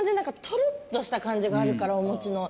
トロッとした感じがあるからおもちの。